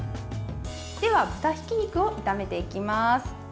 では、豚ひき肉を炒めていきます。